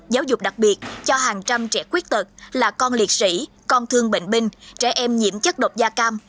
giáo dục đặc biệt cho hàng trăm trẻ khuyết tật là con liệt sĩ con thương bệnh binh trẻ em nhiễm chất độc da cam